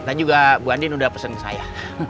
tadi juga bu andin udah pesen ke saya